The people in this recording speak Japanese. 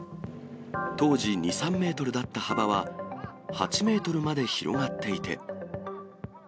当時２、３メートルだった幅は、８メートルまで広がっていて。